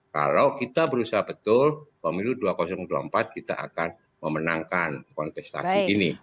kalau kita berusaha betul pemilu dua ribu dua puluh empat kita akan memenangkan kontestasi ini